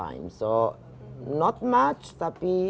jadi tidak banyak tapi